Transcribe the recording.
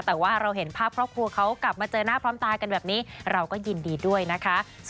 แต่ว่าเราเห็นภาพครอบครัวเขากลับมาเจอหน้าพร้อมตากันแบบนี้เราก็ยินดีด้วยนะคะ